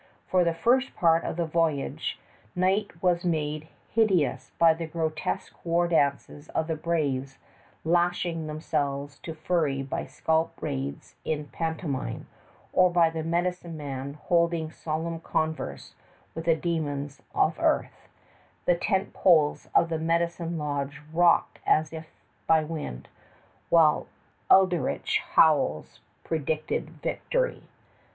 For the first part of the voyage night was made hideous by the grotesque war dances of the braves lashing themselves to fury by scalp raids in pantomime, or by the medicine men holding solemn converse with the demons of earth; the tent poles of the medicine lodge rocked as if by wind, while eldritch howls predicted victory.